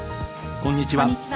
こんにちは。